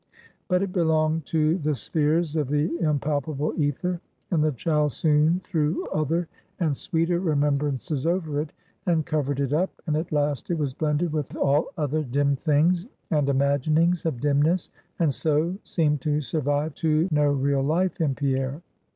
But it belonged to the spheres of the impalpable ether; and the child soon threw other and sweeter remembrances over it, and covered it up; and at last, it was blended with all other dim things, and imaginings of dimness; and so, seemed to survive to no real life in Pierre.